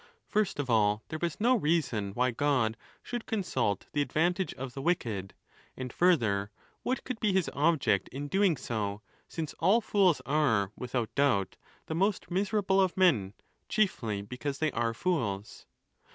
First of all, there was no reason why God should consult the advan tage of the wicked; and, further, what could be his object in doing so, since all fools are, without doubt, the most miserable of men, chiefly because they are fools?